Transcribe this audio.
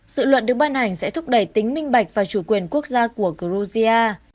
sự luật được ban hành sẽ thúc đẩy tính minh bạch và chủ quyền quốc gia của georgia